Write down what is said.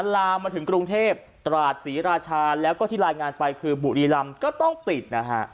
ลามมาถึงกรุงเทพตราดศรีราชาแล้วก็ที่รายงานไปคือบุรีรำก็ต้องปิดนะฮะ